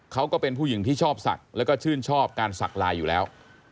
เขาก็เป็นผู้หญิงที่ชอบสักและชื่นชอบการสักไลน์อยู่แล้ว